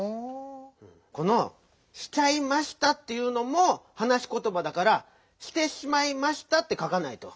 この「しちゃいました」っていうのもはなしことばだから「『してしまい』ました」ってかかないと。